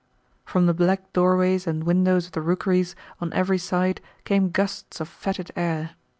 From the black doorways and windows of the rookeries on every side came gusts of fetid air.